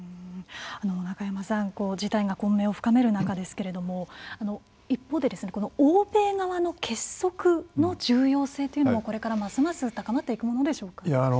中山さん事態が混迷を深める中ですけれども一方で欧米側の結束の重要性というのもこれからますます高まっていくものでしょうか。